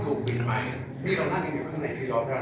ต้องเปิดปกปกติสุดแบบนี้ก็เปิดอยู่